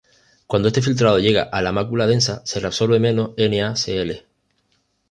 Cuando este filtrado llega a la mácula densa, se reabsorbe menos NaCl.